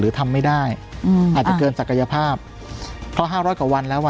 ทำไม่ได้อืมอาจจะเกินศักยภาพเพราะห้าร้อยกว่าวันแล้วอ่ะ